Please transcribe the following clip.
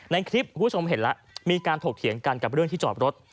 ในคลิปคุณผู้ชมเห็นแล้วมีการถกเถียงกันกับเรื่องที่จอดรถ